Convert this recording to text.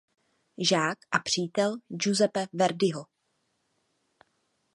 Žák a přítel Giuseppe Verdiho.